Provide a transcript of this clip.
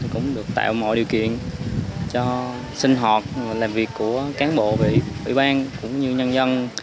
cũng được tạo mọi điều kiện cho sinh hoạt làm việc của cán bộ ủy ban cũng như nhân dân